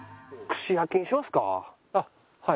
あっはい。